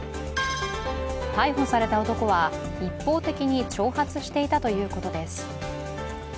逮捕された男は一方的に挑発していたということです。